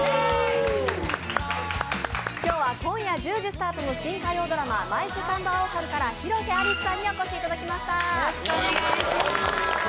今日は今夜１０時スタートの新火曜ドラマ「マイ・セカンド・アオハル」から広瀬アリスさんにお越しいただきました。